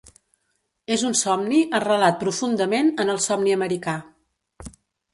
És un somni arrelat profundament en el somni americà.